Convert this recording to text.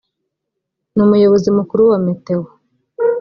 ni umuyobozi mukuru wa meteo